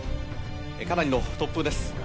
かなりの突風です。